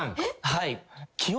はい。